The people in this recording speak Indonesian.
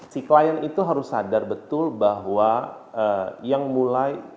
si klien itu harus sadar betul bahwa yang mulai